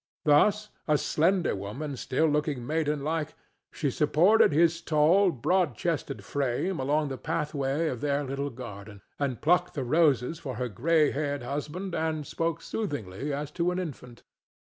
Thus, a slender woman still looking maiden like, she supported his tall, broad chested frame along the pathway of their little garden, and plucked the roses for her gray haired husband, and spoke soothingly as to an infant.